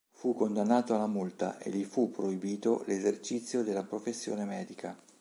Fu condannato a una multa e gli fu proibito l'esercizio della professione medica.